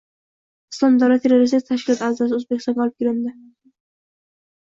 “Islom davlati” terroristik tashkiloti a’zosi O‘zbekistonga olib kelinding